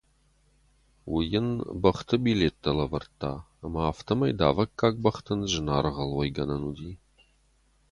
Уый йын бӕхты билеттӕ лӕвӕрдта, ӕмӕ афтӕмӕй давӕггаг бӕхтӕн зынаргъыл уӕйгӕнӕн уыди.